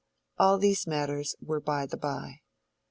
All these matters were by the bye.